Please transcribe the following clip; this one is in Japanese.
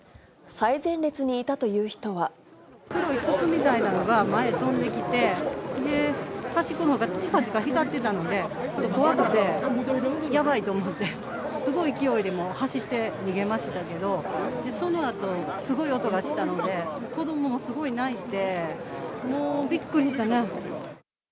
黒い筒みたいなものが前へ飛んできて、端っこのほうがちかちか光ってたので、怖くて、やばいと思って、すごい勢いでもう走って逃げましたけども、そのあとすごい音がしたので、子どもがすごい泣いて、もうびっくりしたな。